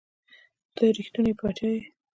ته رښتونے باچا ئې